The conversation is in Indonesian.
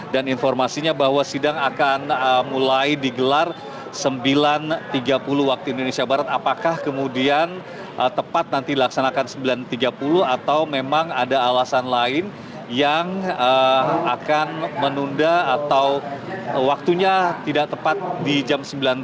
dan informasinya bahwa sidang akan mulai digelar sembilan tiga puluh waktu indonesia barat apakah kemudian tepat nanti dilaksanakan sembilan tiga puluh atau memang ada alasan lain yang akan menunda atau waktunya tidak tepat di jam enam